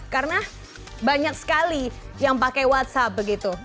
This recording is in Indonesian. karena banyak sekali yang pakai whatsapp